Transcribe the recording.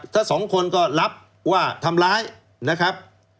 ถ้าสองคนก็รับว่าทำร้ายนะครับ